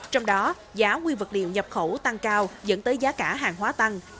trong đó giá nguyên vật liệu nhập khẩu tăng cao dẫn tới giá cả hàng hóa tăng